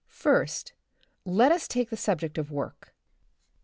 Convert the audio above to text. First, let us take the subject of work.